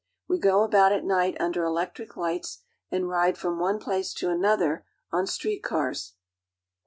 We go about at night under electric lights, and ride from one place to another on street cars.